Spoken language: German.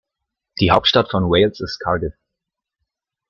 Die Hauptstadt von Wales ist Cardiff.